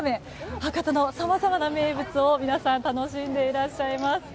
博多のさまざまな名物を皆さん楽しんでいらっしゃいます。